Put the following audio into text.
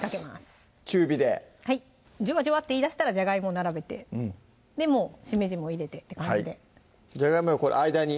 中火ではいジュワジュワッていいだしたらじゃがいもを並べてもうしめじも入れてって感じでじゃがいもはこれ間に？